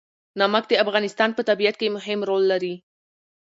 نمک د افغانستان په طبیعت کې مهم رول لري.